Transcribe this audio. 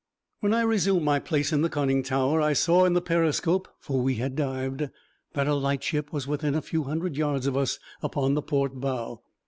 When I resumed my place in the conning tower I saw in the periscope (for we had dived) that a lightship was within a few hundred yards of us upon the port bow.